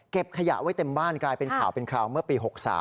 ขยะไว้เต็มบ้านกลายเป็นข่าวเป็นคราวเมื่อปี๖๓